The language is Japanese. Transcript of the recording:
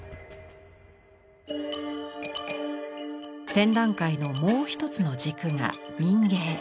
展覧会のもう一つの軸が民藝。